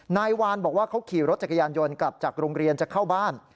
นายวานบอกว่าเขาขี่รถจักรยานยนต์กลับจากโรงเรียนจะเข้าบ้าน